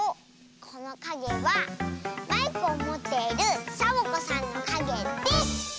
このかげはマイクをもっているサボ子さんのかげです！